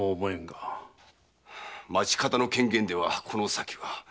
町方の権限ではこの先は。